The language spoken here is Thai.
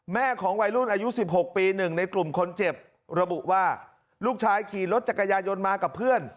ของวัยรุ่นอายุ๑๖ปี๑ในกลุ่มคนเจ็บระบุว่าลูกชายขี่รถจักรยายนมากับเพื่อน